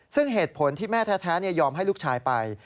ซึ่งเหตุผลที่แม่แท้ยอมให้ลูกชายไป